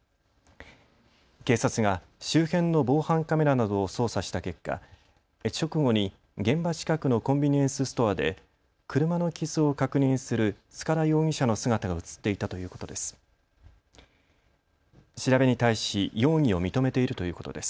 警察が周辺の防犯カメラなどを捜査した結果、直後に現場近くのコンビニエンスストアで車の傷を確認する塚田容疑者の姿がうつっていたということです。